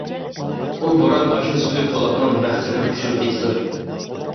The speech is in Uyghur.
بۇ بوران ئاشۇ سۈزۈك بۇلاقنىڭ بەختىنى ئۇچۇرۇپ كېتىدۇ.